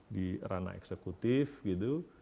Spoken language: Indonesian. di ranah eksekutif gitu